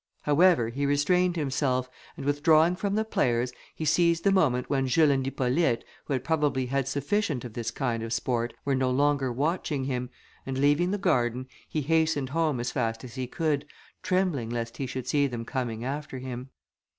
However, he restrained himself, and withdrawing from the players, he seized the moment when Jules and Hippolyte, who had probably had sufficient of this kind of sport, were no longer watching him, and leaving the garden, he hastened home as fast as he could, trembling lest he should see them coming after him.